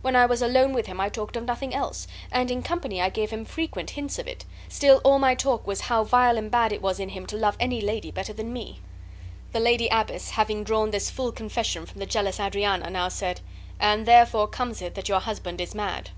When I was alone with him I talked of nothing else; and in company I gave him frequent hints of it. Still all my talk was how vile and bad it was in him to love any lady better than me." The lady abbess, having drawn this full confession from the jealous Adriana, now said: "And therefore comes it that your husband is mad.